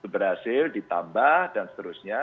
berhasil ditambah dan seterusnya